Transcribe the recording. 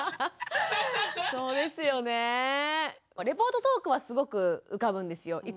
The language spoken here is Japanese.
レポートトークはすごく浮かぶんですよ